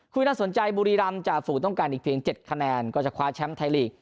ที่น่าสนใจบุรีรำจ่าฝูต้องการอีกเพียง๗คะแนนก็จะคว้าแชมป์ไทยลีก